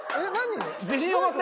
自信を持って！